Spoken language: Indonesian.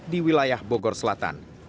di wilayah bogor selatan